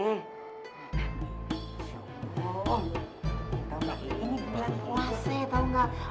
ini benar benar puas tau gak